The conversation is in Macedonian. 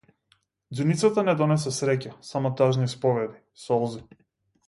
Ѕуницата не донесе среќа, само тажни исповеди, солзи.